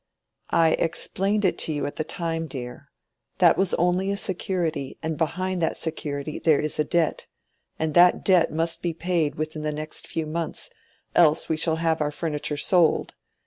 "I explained it to you at the time, dear. That was only a security and behind that security there is a debt. And that debt must be paid within the next few months, else we shall have our furniture sold.